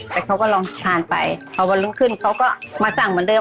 แต่เขาก็ลองทานไปพอวันรุ่งขึ้นเขาก็มาสั่งเหมือนเดิม